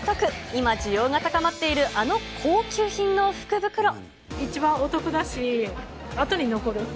今、需要が高まっているあの高級一番お得だし、後に残る。